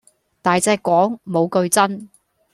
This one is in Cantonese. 大隻講，無句真